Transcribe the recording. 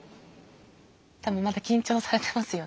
多分まだ緊張されてますよね。